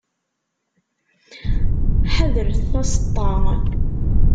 Ḥadret taseṭṭa.